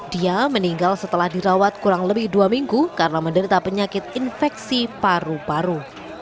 dia meninggal setelah dirawat kurang lebih dua minggu karena menderita penyakit infeksi paru paru